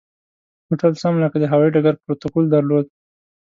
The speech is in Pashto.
هوټل سم لکه د هوایي ډګر پروتوکول درلود.